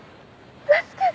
助けて。